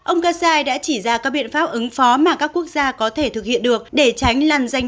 ông kassai đã chỉ ra các biện pháp ứng phó mà các quốc gia có thể thực hiện được để tránh lăn danh